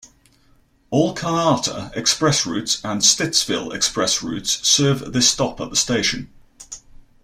All Kanata express routes and Stittsville express routes serve this stop at the station.